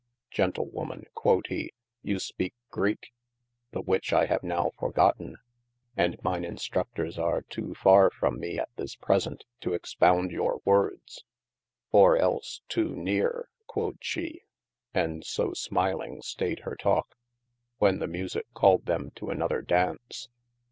Gentlewoman (quod he) you speake Greefo, the which I have nowe forgotten, and mine instrudters are to farre from mee at this present to expound your words. Or els to neare (quod she) and so smiling stayed her talke, when the Musicke called them to another daunce.